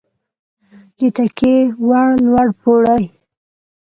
د تکیې وړ لوړ پوړی